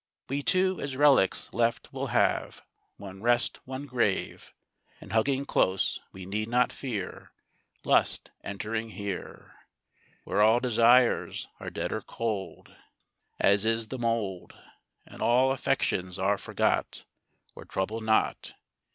We two, as reliques left, will have One rest, one grave; And, hugging close, we need not fear Lust entering here, Where all desires are dead or cold, As is the mould; And all affections are forgot, Or trouble not.